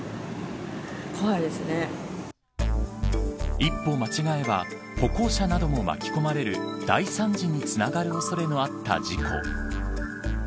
一歩間違えば歩行者なども巻き込まれる大惨事につながる恐れのあった事故